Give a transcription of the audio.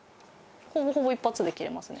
ほぼほぼ一発で切れますね